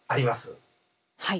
はい。